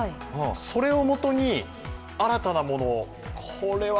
それをもとに新たなものを、これは。